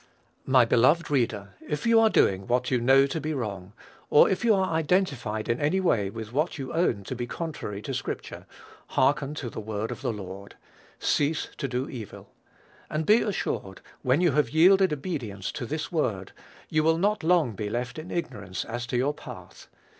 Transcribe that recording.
(Eph. v. 14.) My beloved reader, if you are doing what you know to be wrong, or if you are identified in any way with what you own to be contrary to scripture, hearken to the word of the Lord, "Cease to do evil." And be assured, when you have yielded obedience to this word, you will not long be left in ignorance as to your path.